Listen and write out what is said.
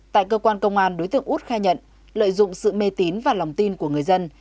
tại cơ quan công an đối tượng út khai nhận lợi dụng sự mê tín và lòng tin của người dân